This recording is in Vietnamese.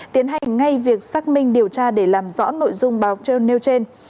tiến hành ngay việc xác minh điều tra để làm rõ nội dung báo trơn nêu trên